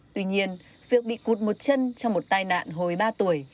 tuy nhiên việc bị cút một chân trong một tai nạn hồi ba tuổi